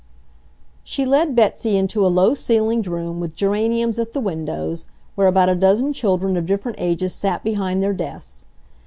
She led Betsy into a low ceilinged room with geraniums at the windows, where about a dozen children of different ages sat behind their desks.